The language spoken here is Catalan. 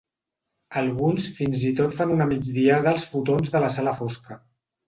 Alguns fins i tot fan una migdiada als futons de la sala fosca.